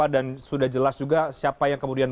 dan sudah jelas juga siapa yang kemudian